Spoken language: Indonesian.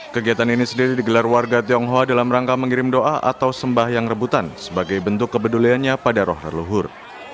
kegiatan ini sendiri digelar warga tionghoa dalam rangka mengirim doa atau sembah yang rebutan sebagai bentuk kepeduliannya pada roh leluhur